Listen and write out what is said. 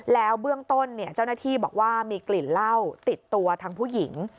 แล้วเบื้องต้นเจ้าหน้าที่บอกว่ามีกลิ่นเหล้าติดตัวทั้งผู้หญิง